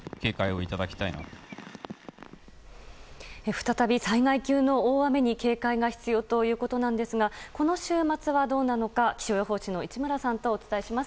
再び災害級の大雨に警戒が必要ということなんですがこの週末はどうなのか気象予報士の市村さんとお伝えします。